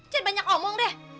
cet banyak omong deh